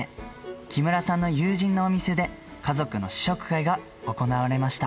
木村さんの友人のお店で、家族の試食会が行われました。